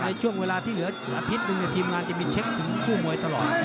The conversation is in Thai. ในช่วงเวลาที่เหลืออาทิตย์หนึ่งทีมงานจะมีเช็คถึงคู่มวยตลอด